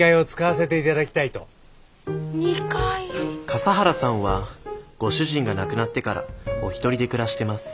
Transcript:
笠原さんはご主人が亡くなってからお一人で暮らしてます